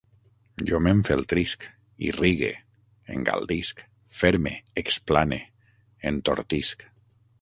Jo m'enfeltrisc, irrigue, engaldisc, ferme, explane, entortisc